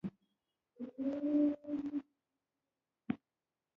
زه د سفر کڅوړه چټکه برابره کړم.